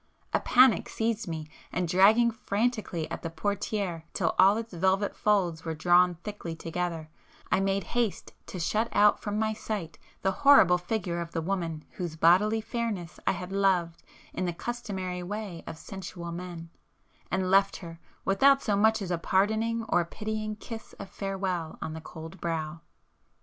A panic seized me, and dragging frantically at the portiére till all its velvet folds were drawn thickly together, I made haste to shut out from my sight the horrible figure of the woman whose bodily fairness I had loved in the customary way of sensual men,—and left her without so much as a pardoning or pitying kiss of farewell on the cold brow.